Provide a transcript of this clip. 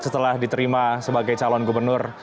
setelah diterima sebagai calon gubernur